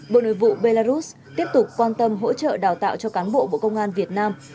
bộ nội vụ belarus tiếp tục quan tâm hỗ trợ đào tạo cho cán bộ bộ công an việt nam